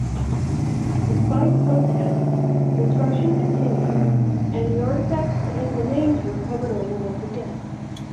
Despite protest, construction continued, and the artifacts and remains were covered over once again.